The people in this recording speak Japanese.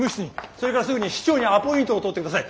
それからすぐに市長にアポイントを取ってください。